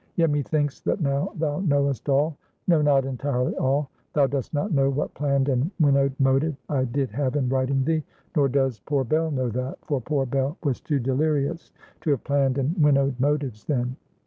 Yet methinks that now thou knowest all; no, not entirely all. Thou dost not know what planned and winnowed motive I did have in writing thee; nor does poor Bell know that; for poor Bell was too delirious to have planned and winnowed motives then.